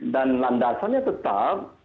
dan landasannya tetap